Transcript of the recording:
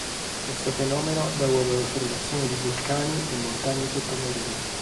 Questo fenomeno da luogo alla formazione di vulcani e montagne sottomarine.